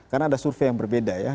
karena ada survei yang berbeda ya